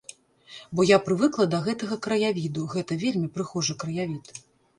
Бо я прывыкла да гэтага краявіду, гэта вельмі прыгожы краявід.